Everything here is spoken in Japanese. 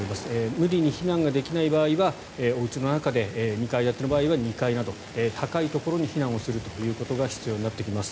無理に避難ができない場合はおうちの中で２階建ての場合は２階など高いところに避難するということが必要になってきます。